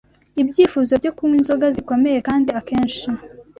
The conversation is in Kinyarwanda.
ibyifuzo byo kunywa inzoga zikomeye, kandi akenshi